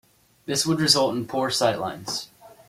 This would result in poor sightlines.